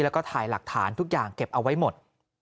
แล้วก็ถ่ายหลักฐานทุกอย่างเก็บเอาไว้หมด